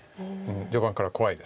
序盤から怖いです。